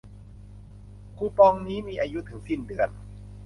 คูปองนี้มีอายุถึงสิ้นเดือน